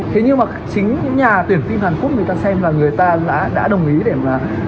thế nhưng mà chính những nhà tuyển phim hàn quốc người ta xem là người ta đã đồng ý để mà